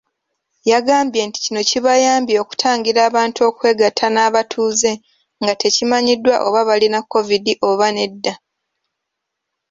Yagambye kino kibayambye okutangira abantu okwegatta n'abatuuze nga tekimanyiddwa oba balina Kovidi oba nedda.